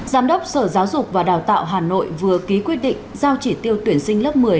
giám đốc sở giáo dục và đào tạo hà nội vừa ký quyết định giao chỉ tiêu tuyển sinh lớp một mươi